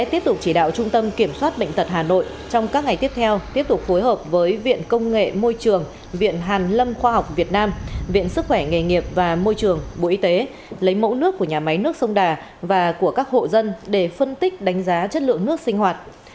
tiếp tục chỉ đạo trung tâm kiểm soát bệnh tật hà nội trong các ngày tiếp theo tiếp tục phối hợp với viện công nghệ môi trường viện hàn lâm khoa học việt nam viện sức khỏe nghề nghiệp và môi trường bộ y tế lấy mẫu nước của nhà máy nước sông đà và của các hộ dân để phân tích đánh giá chất lượng nước sinh hoạt